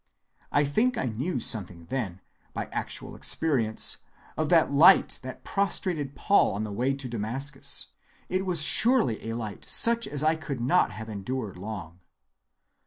I think I knew something then, by actual experience, of that light that prostrated Paul on the way to Damascus. It was surely a light such as I could not have endured long."